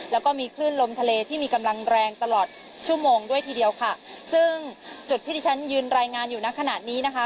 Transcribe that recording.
แล้วก็มีคลื่นลมทะเลที่มีกำลังแรงตลอดชั่วโมงด้วยทีเดียวค่ะซึ่งจุดที่ที่ฉันยืนรายงานอยู่ในขณะนี้นะคะ